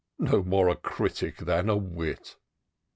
No more a critic than a wit